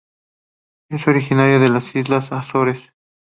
Es originaria de las Islas Azores.